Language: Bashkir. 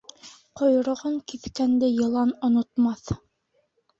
Ҡойроғон киҫкәнде йылан онотмаҫ.